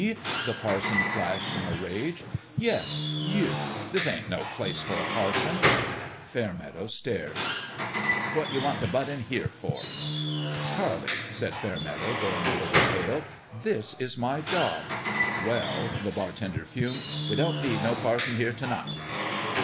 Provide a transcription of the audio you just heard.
" the parson flashed, in a rage. " Yes you ! This ain't no place for a parson." Fairmeadow stared. " What you want t' butt in here for ?" "Charlie," said Fairmeadow, going a little pale, " this is my job !"" Well," the bartender fumed, " we don't need no parson here t' night."